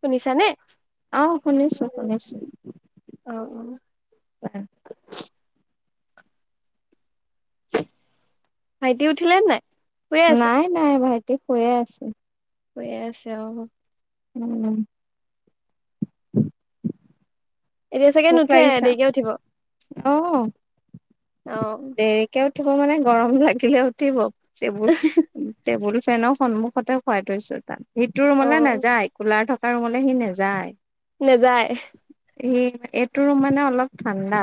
শুনিছানে? অহ শুনিছো শুনিছো অ', আহ, ভাইটি উঠিলে নাই? শুয়ে আছে নাই, নাই, ভাইটি শুয়ে আছে শুয়ে আছে অ উম, এতিয়া চাগে নুঠে, দেৰিকে উঠিব আহ, অ দেৰিকে উঠিব মানে, গৰম লাগিলে উঠিব টেবুল টেবুল ফেনৰ সন্মুখতে শুৱাই থৈছো তাত সিটো অ ৰুমলৈ নেযায় কুলাৰ থকা ৰুমলৈ সি নাযায় নাযায় সি এইটো মানে, অলপ ঠাণ্ডা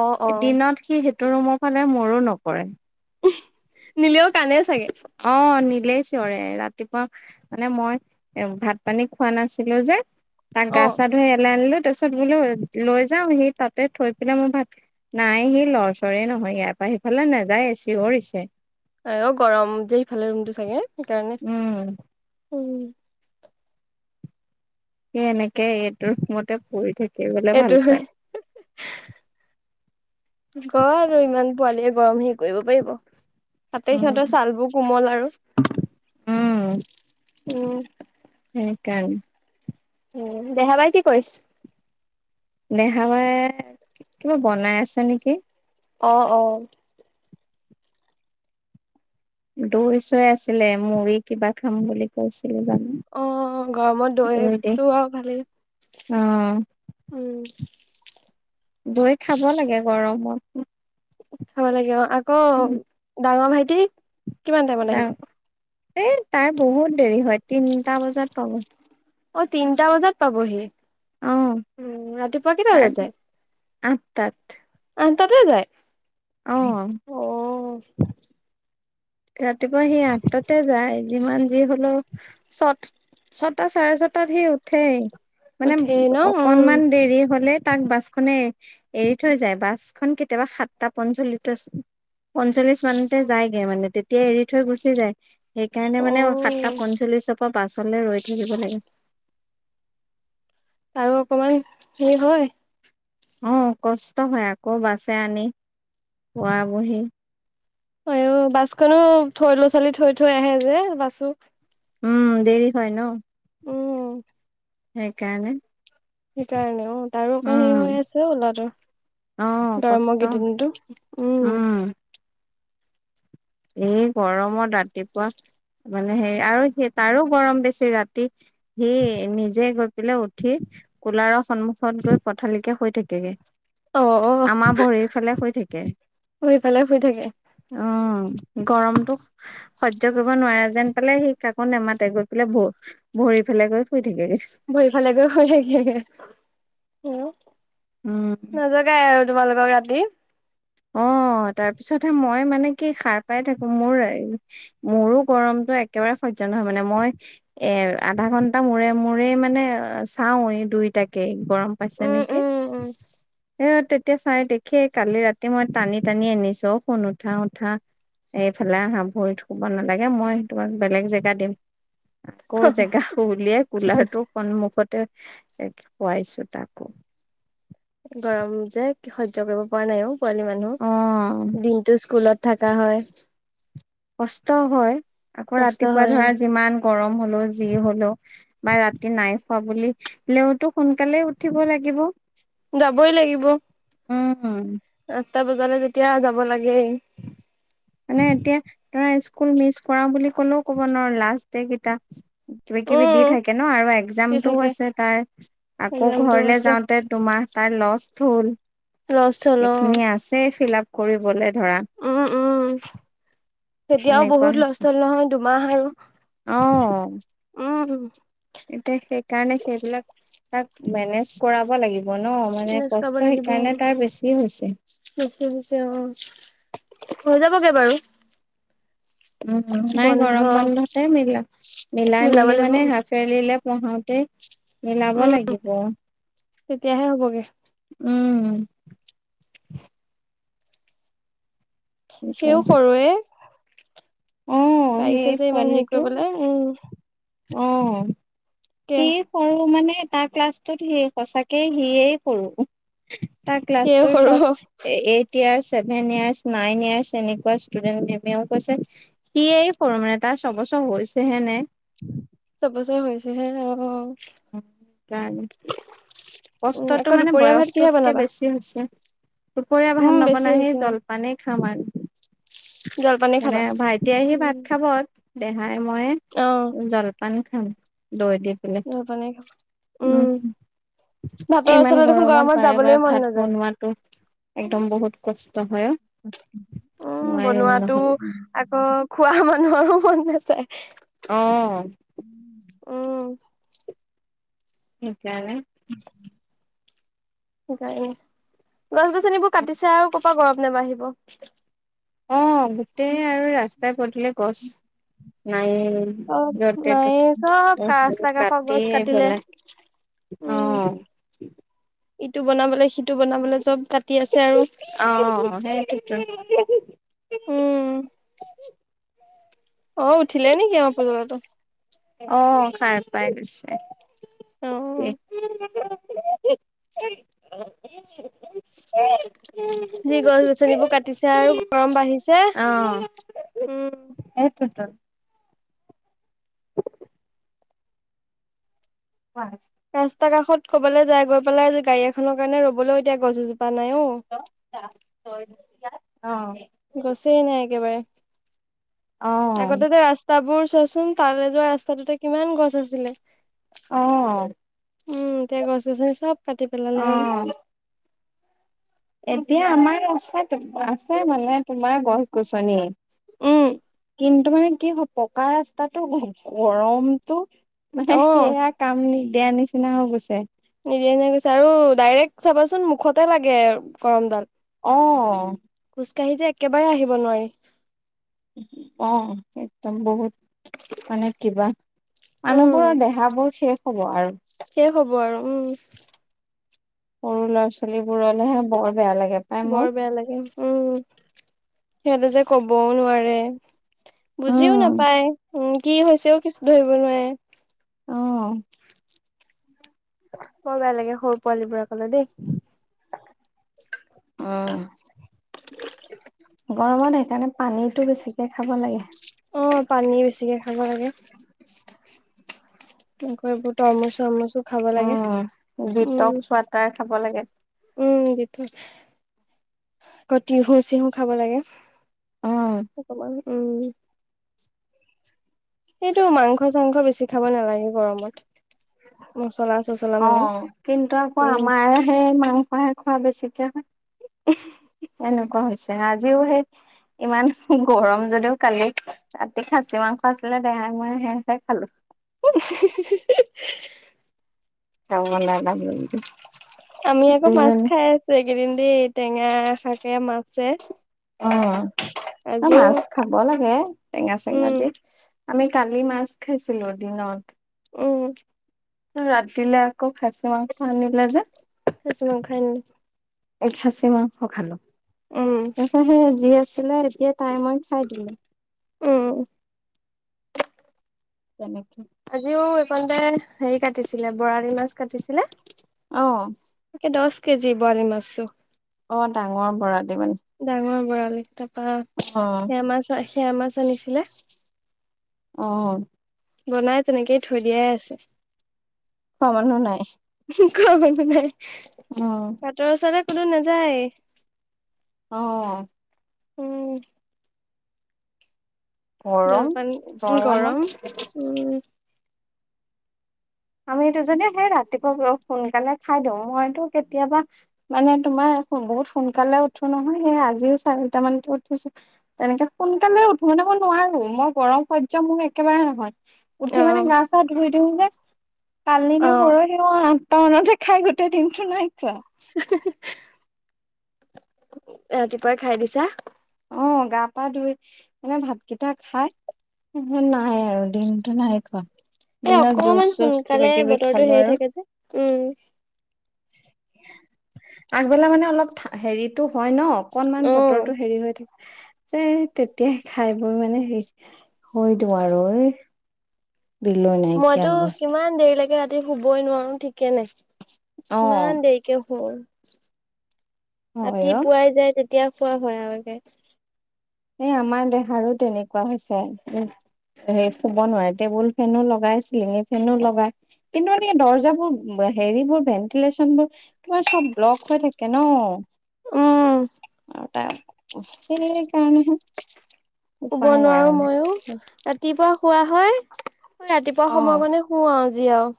অ অ দিনত সি ৰুমৰ ফালে মোৰো নকৰে নিলেও কানে চাগে অ', নি চিয়ৰে ৰাতিপুৱা মানে, মই এ ভাত পানী খোৱা নাছিলো যে তাক অ গা চা ধুই ইয়ালে আনিলো তাৰ পািছত বোলো লৈ যাও সি তাতে থৈ পেলাই মোৰ ভাত, নাই সি লৰচৰে নহয় ইয়াৰ পৰা সেইফালে নাযায় চিঞৰিছে আহ, অ', গৰম যে সিফালে ৰুমটো চাগে সেইকাৰণে উম সেই এনেকে এইটো ৰুমতে, পঢ়ি থাকি বোলে এইটো ভাল পায় আৰু ইমান পোৱালিয় গৰম হে কৰিব পাৰিব তাতে, উম সিহঁতৰ ছালবোৰ কোমল আৰু উম উ, [unintelligible] উম, দেহা বাই কি কৰিছ? দেহা বাই কিবা বনাই আছে নেকি। অ', অ'। দৈ চৈ আছিলে মুড়ি কিবা খাম বুলি কৈছে। অ' গৰমত দৈ দি দৈটো আৰু ভালেই। অ উম। দৈ খাব লাগে গৰমত। খাব লাগে অ' আকৌ উম ডাঙৰ ভাইটি, কিমান টাইমত আহিব। এ তাৰ বহুত দেৰি হয় তিনিটা বজাত পাব। অ' তিনটা বজাত পাবহি। অ উম, ৰাতিপুৱা কেইটা তাৰ বজাত যায়। আঠটাত। আঠটাতে যায়। অ'। ৰাতিপুৱা সেই আঠটাতে যায় যিমান যি হ'লেও ছ ছটা চাৰে ছটাত সি উঠে। মানে উঠেই ন উম অকনমান দেৰি হ'লে তাক বাছখনে এৰি থৈ যায় বাছখন কেতিয়াবা সাতটা পঞ্চলিছত পঞ্চল্লিশ মানতে যায়গে মানে তে এতিয়া এৰি থৈ গুচি যায়, সেইকাৰণে মানে সাতটা পঞ্চল্লিশৰ পৰা পাছলৈ ৰৈ থাকিব লাগে। আৰু অকমান হেৰি হয়। অ' কষ্ট হয় আকৌ বাছে আনি, খোৱা বহি। আয়ো বাছখনো থৈ ল'ৰা ছোৱালী থৈ থৈ আহে যে বাছো। উম, দেৰি হয় ন উম সেইকাৰণে। সেইকাৰণে অ' তাৰো অকণ হেৰি উম হৈ আছে আৰু অ' ল'ৰাটোৰ। কষ্ট গৰমৰ [unintelligible] উম। এই গৰমত ৰাতিপুৱা মানে হেৰি আৰু সি তাৰো গৰম বেছি ৰাতি সি নিজে গৈ পেলাই উঠি কুলাৰৰ সন্মুখত গৈ পথালিকে শুই থাকেগে। অ আমাৰ ভৰিৰ ফালে শুই থাকে। অ' সেইফালে শুই থাকে। অ গৰমটো সহ্য কৰিব নোৱাৰা যেন পালে সি কাকো নেমাতে গৈ পেলাই ব ভৰি পেলাই গৈ শুই থাকে গৈ। ভৰিফালে গৈ শুই উম [inaudible] নযোগাই আৰু। তোমালোকৰ ৰাতি। অ' তাৰ পিছতহে মই মানে কি সাৰ পাই থাকোঁ মোৰ, মোৰো গৰমটো একেবাৰে সহ জানা মানে মই এ আধা ঘণ্টা মূৰে মূৰে মানে চাওঁ এই দুইটাকে গৰম পাইছে উম নেকি, উম উম এ তেতিয়া চাই দেখিয়ে কালি ৰাতি এ মই টানি টানি আনিছোঁ শুন উঠা উঠা। এইফালে আহা ভৰিত শুব নালাগে মই সেই তোমাক বেলেগ জেগা দিম। আকৌ জেগাবোৰ ওলিয়াই কুলাৰটোৰ সন্মুখত [unintelligible] তাকো। গৰম যে সহ্য কৰিব পৰা নাইও পোৱালি মানুহ, অ'। দিনতটো স্কুলত থাকা হয়। কষ্ট হয়। আকৌ কষ্ট ৰাতিপুৱা হয় ধৰা যিমান গৰম হ'লেও যি হ'লেও বা ৰাতি নাই কোৱা বুলি [unintelligible] সোনকালে উঠিব লাগিব। যাবই লাগিব। উ, উম। আঠটা বজালে তেতিয়া যাব লাগেই। মানে এতিয়া ধৰা, স্কুল মিচ কৰা বুলি ক'লেও ক'ব নোৱাৰো লাষ্ট ডে কিটা কিবা কিবি দি উম থাকে ন', আৰু কি এক্জামটোও থাকে আছে তাৰ। আকৌ এক্জামটো ঘৰলে আছে যাওঁতে দুমাহ তাৰ লষ্ট হ'ল। লষ্ট হল অ এখিনি আছে, ফিলআপ কৰিবলে। ধৰা উম, উম। তেতিয়াও এনেকুৱা বহুত লষ্ট হৈছে হ'ল নহয় দুমাহ আৰু। অ উম। এতিয়া সেইকাৰণে সেইবিলাক তাক মেনেজ কৰাব লাগি ব ন'। মানে মেনেজ কৰিব কষ্ট লাগিব সেইকাৰণে তাৰ বেছি হৈছে। বেছি বেছি অ হৈ যাবগে বাৰু উম, উম। নাই বন্ধ গৰম বন্ধতে মিলা মিলাই মিলাব মেলি লাগিব মানে হাফইয়াৰলিলে পঢ়াওতে মিলাব উম লাগিব। তেতিয়াহে হবগে উম [inaudible] সিও সৰুৱে অ সেই পাৰিছে যে ইমান হেৰি পোৱালিটো কৰিবলৈ। উম। অ'। কে সেই সৰু মানে তাৰ ক্লাছটোত সি সঁচাকেই সিয়েই সৰু। তাৰ সিয়ে ক্লাছটোৰ সৰু ছব এ এই টিয়াৰ্চ, ছেভেন ইয়াৰ্চ, নাইন ইয়াৰ্চ, এনেকুৱা ষ্টুডেণ্ট। মেমেও কৈছে সিয়েই সৰু মানে টা ছবছৰ হৈছেহে নে চবছৰ হৈছে হে। অ'। উম কষ্টতটো আকৌ মানে দুপৰীয়া ভাত কিহে বয়সটোতকে বনাবা বেছি হৈছে। দুপৰীয়া ভাত উম বেছি নবনাই, সেই হৈছে অ জলপানেই খাম আৰ। জলপানে খাবা মানে ভাইটি আহি ভাত উম খাব। দেহাই, মই অ জলপান খাম দৈ দি। পেলাই নইপানিখ, উম। ভাতৰ ইমান ওচৰলৈ দেখোন গৰমত বাৰে যাবলে বাৰে মন ভাত নাযায় বনোৱাটো, একদম বহুত কচ উম। বনোৱাতোও নহলে আকৌ খোৱা মানুহ আৰু মন নাযায়। অ'। উম। সিকাৰনে সিকাৰে, গছ গছনিবোৰ কাটিছে আৰু ক গৰম নাবাহিব। অ', গোটেই আৰু ৰাস্তাই পদিৰে গছ নায়ে, চব য'তে নাইয়ে ত'তে চব গছ ৰাস্তা বিলাক কাষৰ গছ কাটিএ কাটিলে পেলাই। উম [unintelligible] অ'। ইটো বনাবলৈ, সিটো বনাবলৈ চব কাটি আছে আৰু। অ সেইটোতো উম [inaudible] অ'। উঠিলে নেকি অপোল'ৰাটো। অ', সাৰ পাই গৈছে। অ [unintelligible] [inaudible] যি গছ-গছনিবোৰ কাটিছে আৰু গৰম বাঢ়িছে। অ উম। সেইটোতো [inaudible] কোৱা। ৰাস্তা কাষত ক'বলৈ যায়, গৈ পেলাই গাড়ী এখনৰ কাৰণে ৰ'বলৈও এতিয়া গছ এজো অ'। গছে নাই, একেবাৰে অ আগতে যে ৰাস্তাবোৰ। চোন তাৰে যোৱা ৰাস্তাটোতে কিমান গছ আছিলে। অহ, উম, এতিয়া গছ গছনি চব কাটি পেলালে আৰু। অ এতিয়া আমাৰ ৰাস্তাত আছে মানে তোমাৰ গছ-গছনি। উম, কিন্তু মানে কি হয় পকা ৰাস্তাটো গৰমতটো। মানে অ'। সেয়া কাম নি দিয়া নিচিনা হৈ গৈছে। নিদিয়ে এনে কৈছে আৰু ডাইৰেক্ট চাবাচোন মুখতে লাগে গৰমডাল। অ, খোজকাঢ়ি যে একেবাৰে, আহিব নোৱাৰি। অহ, একদম বহুত। মানে কিবা মানুহবোৰৰ দেহাবোৰ শেষ হ'ব আৰু। সেই হ'ব আৰু উম, সৰু ল'ৰা ছোৱালী বোৰলেহে বৰ। বেয়া লাগে পাই মোৰ বৰ বেয়া লাগে। উম, সিহঁতে যে ক'বও নোৱাৰে বুজিও উম নাপায় উ, কি হৈছেও কিছু ধৰিব নোৱাৰে। অ, বৰ বেয়া লাগে সৰু পোৱালীবোৰ কলৈ দেই। অ, [inaudible] গৰমত সেইকাৰণে পানীটো বেছিকে খাব লাগে। অ পানী বেছিকে খাব লাগে [unintelligible] খাব লাগে। উম উম, ডিটক্স ৱাটাৰ খাব লাগে উম, আকৌ তিহু-চিহু খাব লাগে। উম উম, সেইটো মাংস-চাংস বেছি খাব নালাগে গৰমত মচলা। চচলা অ, মানে কিন্তু আকৌ উম আমাৰ সেই মাংসাহে খোৱা বেছিকে হয়। এনে কোৱা হৈছে, আজি সেই। ইমান গৰম যদিও কালি ৰাতি খাচী মাংস আছিলে দোহাই মই সেহে খালো। [unintelligible] [unintelligible] আমি আকৌ মাছ দুইজনী খাই আছো এইকেইদিন দেই টেঙা শাকে মাছে। উম, আজিও মাছ খাব লাগে টেঙা-চেঙা উম দি। আমি কালি মাছ খাইছিলো দিনত। উম, ৰাতিলে আকৌ খাছি মাংস। আনিলে খাচি মাংস আনিলে। এ, খাচি মাংস খালো উম [inaudible] ছিলে এতিয়া টাইমত খাই দিলো। উম, তেনেকে। আলতে হেৰি কাটিছিলে বৰালি মাছ কাটিছিল। অ, কেজি ব মছ্তটো। অ, ডাঙৰ বৰালি মানে। [inaudible] বা অ', সেয়া মাছ সেয়া মাছ আনিছিলে। অ', বনাই তেনেকেই থৈ দিয়াই আছে। খোৱা মানুহ নাই। খোৱা মানুহ নাই। উম। বাটৰ ওচৰলে কোনো নাযায়ে। অ'। উম। গৰম জলপান গৰম গৰমত। উম আমি দুজনে সেই ৰাতিপুৱা সোনকালে খাই দিওঁ। মইতো কেতিয়াবা মানে তোমাৰ বহুত সোনকালে উঠো নহয় সেইয়া আজিও চাৰে চাৰিটা মানতে উঠিছো। তেনেকে সোনকালে উঠো মানে মই নোৱাৰো মই গৰম সয্য মোৰ একেবাৰে নহয় অ উঠি মানে গা চা ধুই দিওঁ যে। কালি অ নে পৰহি মই আঠটা মানতে খাই গোটেই দিনটো নাই খোৱা। ৰাতিপুৱাই খাই দিছা! অ', গা পা ধুই মানে ভাত কেইটা খাই নাই আৰু দিনটো নাই খোৱা। এ দিনত জুচ অকমান চুচ কিবা সোনকালে কিবি বতৰটো খালো হেৰি আৰু। থাকে যে উম আগবেলা মানে অলপ হেৰিতটো হয় ন। অকনমান অ বতৰটো হেৰি হৈ থাকে যে তেতিয়ায়ে খাই বৈ মানে হেৰি হয় দিওঁ আৰু এই বিলৈ নাইকিয়া মইতো অৱস্থা কিমান দেৰি লৈকে ৰাতি গোটেই শুবই নোৱাৰো ঠিকে নাই অ ইমান দেৰিকে শু। হয় ৰাতি অ পুৱাই যায় তেতিয়া শুৱা হয় আৰু একে। এ আমাৰ দেহাৰো তেনেকুৱা হৈছে। সেই শুব নোৱাৰে টেবুল ফেনো লগাই চিলিঙি ফেনো লগাই। কিন্তু মানে দৰ্জাবোৰ হেৰিবোৰ ভেন্টিলেশচনবোৰ তোমাৰ চব ব্লক হৈ থাকে ন উম আৰু তাই সেই কাৰণে হে। শুব নোৱাৰো মইয়ো ৰাতিপুৱা শুৱা হয়। ৰাতিপুৱা অ সময়কনে শুও যি আৰু।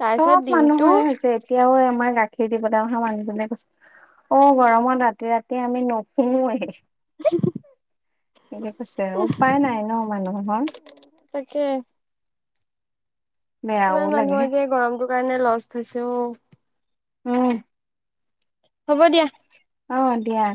তাৰপিছত চব দিনটো মানুহৰে হৈছে এতিয়াও আমাৰ গাখীৰ দিবলৈ অহা মানুহজনে কৈছে অ' গৰমত ৰাতি ৰাতি আমি নুশুৱে। কৈছে উপায় নাই ন মানুহৰ। তাকে। বেয়াও ইমান লাগে মানুহৰ যে গৰমটোৰ কাৰণে লষ্ট হৈছে অও। উম। হ'ব দিয়া। অ', দিয়া।